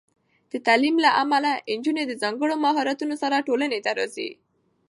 د تعلیم له امله، نجونې د ځانګړو مهارتونو سره ټولنې ته راځي.